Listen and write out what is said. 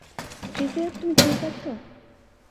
ট্রিসিয়া, তুমি ঠিক আছো?